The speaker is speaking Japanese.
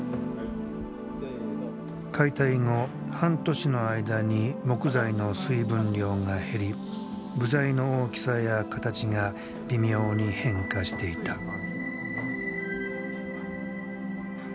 解体後半年の間に木材の水分量が減り部材の大きさや形が微妙に変化していた。